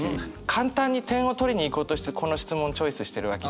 簡単に点を取りにいこうとしてこの質問をチョイスしてるわけじゃないですか。